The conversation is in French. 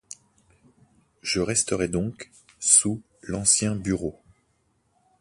Je resterai donc sous l'ancien bureau.